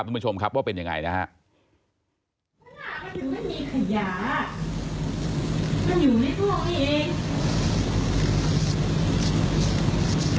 เต้นพอกับที่โชว์โรงข่าวเนี่ย